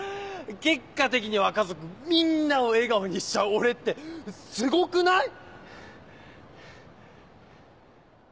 結果的には家族みんなを笑顔にしちゃう俺ってすごくない？